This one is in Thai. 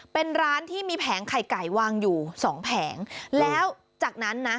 เป็นร้านที่มีแผงไข่ไก่วางอยู่สองแผงแล้วจากนั้นนะ